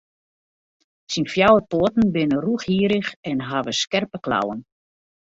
Syn fjouwer poaten binne rûchhierrich en hawwe skerpe klauwen.